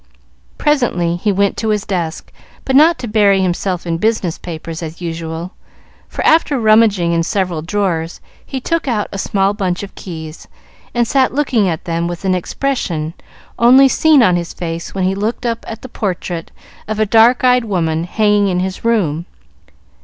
Presently he went to his desk, but not to bury himself in business papers, as usual, for, after rummaging in several drawers, he took out a small bunch of keys, and sat looking at them with an expression only seen on his face when he looked up at the portrait of a dark eyed woman hanging in his room.